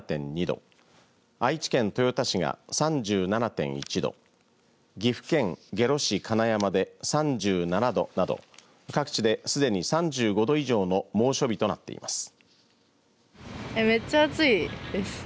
愛知県豊田市が３７．１度岐阜県下呂市金山で３７度など各地ですでに３５度以上の猛暑日となっています。